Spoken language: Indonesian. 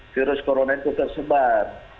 virus corona itu tersebar